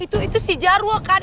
itu si jarwo kan